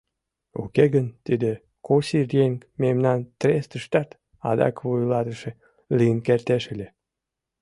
Уке гын тиде косир еҥ мемнан трестыштат адак вуйлатыше лийын кертеш ыле...